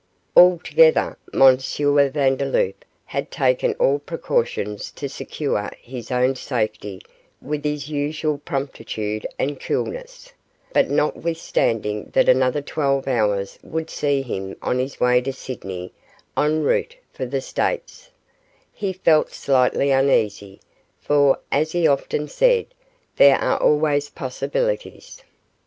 Altogether, M. Vandeloup had taken all precautions to secure his own safety with his usual promptitude and coolness, but notwithstanding that another twelve hours would see him on his way to Sydney en route for the States, he felt slightly uneasy, for as he often said, 'There are always possibilities.